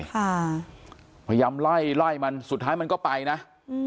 พยายามไล่ไล่มันสุดท้ายมันก็ไปนะอืม